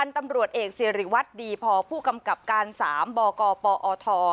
ตำรวจเอกสิริวัตรดีพอผู้กำกับการ๓บกปอท